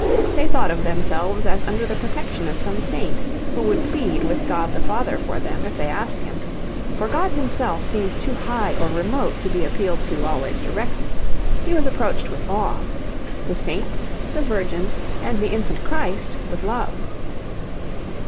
They thought of themselves as under the protection of some saint, who would plead with God the Father for them if they asked him, for God Himself seemed too high or remote to be appealed to always directly. He was approached with awe; the saints, the Virgin, and the Infant Christ, with love.